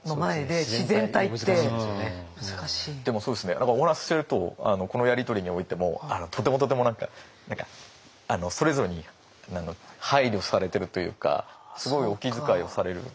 でもそうですねお話ししてるとこのやり取りにおいてもとてもとても何かそれぞれに配慮されてるというかすごいお気遣いをされる。